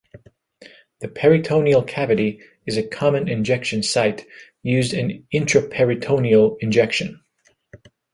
The peritoneal cavity is a common injection site, used in intraperitoneal injection.